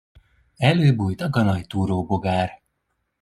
Előbújt a ganajtúró bogár.